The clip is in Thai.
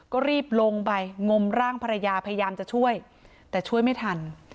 ก็รีบลงไปงมร่างภรรยาพยายามจะช่วยแต่ช่วยไม่ทัน